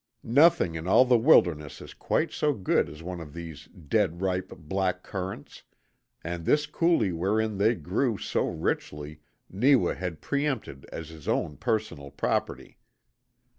Nothing in all the wilderness is quite so good as one of these dead ripe black currants, and this coulee wherein they grew so richly Neewa had preempted as his own personal property.